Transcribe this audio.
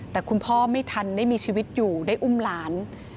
แต่คุณพ่อไม่ทันได้มีชีวิตอยู่ได้อุ้มหลาน